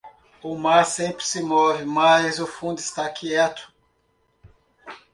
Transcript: O mar sempre se move, mas o fundo está quieto.